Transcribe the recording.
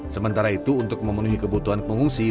sementara itu untuk memenuhi kebutuhan pengungsi